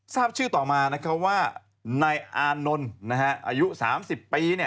ทราบชื่อต่อมาว่านายอานนท์อายุ๓๐ปี